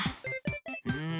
うん。